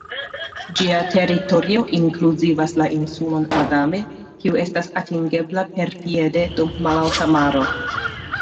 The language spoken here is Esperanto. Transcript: Ĝia teritorio inkluzivas la insulon Madame, kiu estas atingebla perpiede dum malalta maro.